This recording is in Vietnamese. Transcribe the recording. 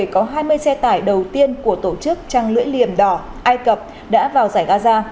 có hai mươi xe tải đầu tiên của tổ chức trăng lưỡi liềm đỏ ai cập đã vào giải gaza